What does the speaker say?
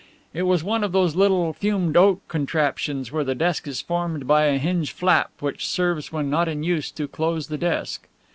It was one of those little fumed oak contraptions where the desk is formed by a hinged flap which serves when not in use to close the desk.